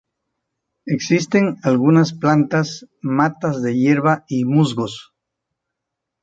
Existente algunas plantas, matas de hierba y musgos.